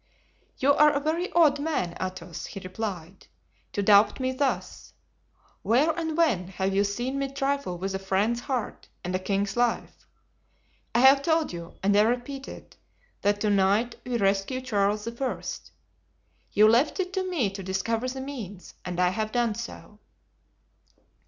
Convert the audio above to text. "You are a very odd man, Athos," he replied, "to doubt me thus. Where and when have you seen me trifle with a friend's heart and a king's life? I have told you, and I repeat it, that to night we rescue Charles I. You left it to me to discover the means and I have done so."